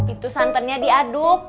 itu santannya diaduk